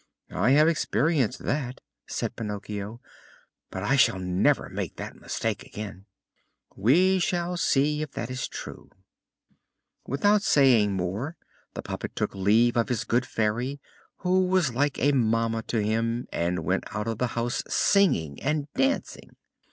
"I have experienced that," said Pinocchio, "but I shall never make that mistake again." "We shall see if that is true." Without saying more the puppet took leave of his good Fairy, who was like a mamma to him, and went out of the house singing and dancing.